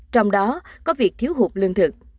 trong đó có việc thiếu hụt lương thực